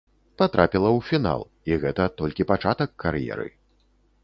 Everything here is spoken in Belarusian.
Патрапіла ў фінал, і гэта толькі пачатак кар'еры.